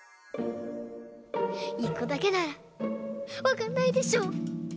１こだけならわかんないでしょ！